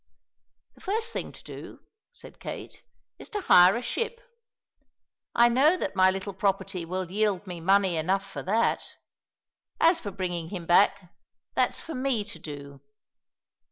"The first thing to do," said Kate, "is to hire a ship; I know that my little property will yield me money enough for that. As for bringing him back, that's for me to do.